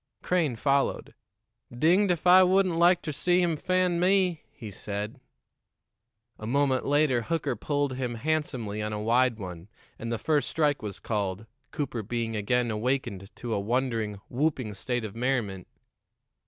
Crane followed. "Dinged if I wouldn't like ter see him fan me!" he said. A moment later Hooker pulled him handsomely on a wide one, and the first strike was called, Cooper being again awakened to a wondering, whooping state of merriment.